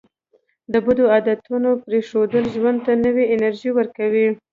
د بدو عادتونو پرېښودل ژوند ته نوې انرژي ورکوي.